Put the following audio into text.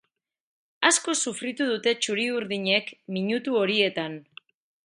Asko sufritu dute txuri-urdinek minutu horietan.